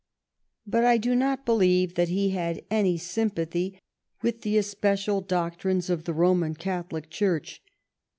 But I do not believe that he had any sympathy with the especial doctrines of the Roman Catholic Church.